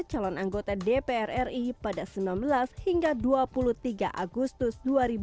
calon anggota dpr ri pada sembilan belas hingga dua puluh tiga agustus dua ribu dua puluh